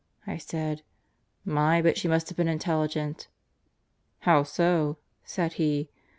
I said: "My, but she must have been very intelligent!" "How so?" said he.